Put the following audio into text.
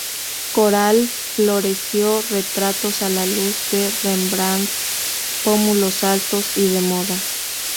Coral floreció retratos a la luz de Rembrandt; pómulos altos y de moda.